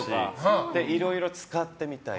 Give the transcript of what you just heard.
いろいろ使ってみたり。